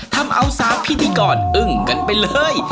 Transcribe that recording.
ทำเอา๓พิธีกรอึ้งกันไปเลย